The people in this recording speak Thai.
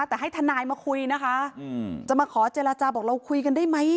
แต่ให้ทนายมาคุยนะคะจะมาขอเจรจาบอกเราคุยกันได้ไหม